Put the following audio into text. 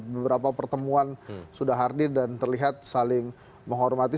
beberapa pertemuan sudah hardir dan terlihat saling menghormati